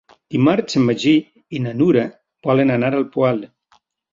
Dimarts en Magí i na Nura volen anar al Poal.